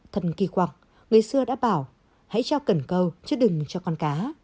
thật kỳ quặc người xưa đã bảo hãy trao cần câu chứ đừng cho con cá